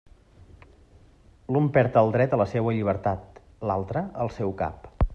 L'un perd el dret a la seua llibertat, l'altre al seu cap.